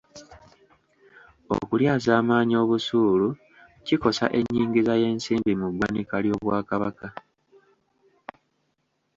Okulyazaamaanya obusuulu kikosa ennyingiza y'ensimbi mu ggwanika ly’Obwakabaka.